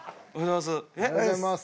おはようございます。